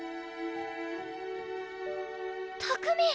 拓海！